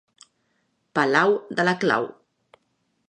Palau de la clau.